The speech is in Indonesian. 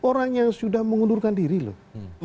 orang yang sudah mengundurkan diri loh